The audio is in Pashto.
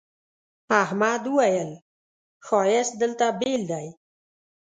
احمد وويل: ښایست دلته بېل دی.